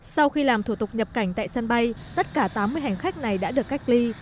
sau khi làm thủ tục nhập cảnh tại sân bay tất cả tám mươi hành khách này đã được cách ly